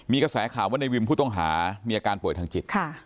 มีกระแสข่าวว่าในวิมผู้ต้องหามีอาการป่วยทางจิต